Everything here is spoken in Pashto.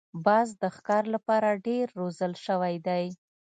باز د ښکار لپاره ډېر روزل شوی دی